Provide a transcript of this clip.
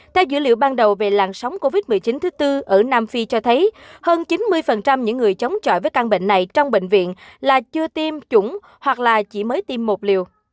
theo dữ liệu ban đầu về làn sóng covid một mươi chín thứ tư ở nam phi cho thấy hơn chín mươi những người chống chọi với căn bệnh này trong bệnh viện là chưa tiêm chủng hoặc là chỉ mới tiêm một liều